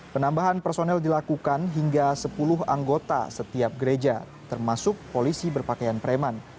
penambahan personel dilakukan hingga sepuluh anggota setiap gereja termasuk polisi berpakaian preman